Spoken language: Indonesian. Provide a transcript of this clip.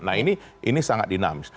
nah ini sangat dinamis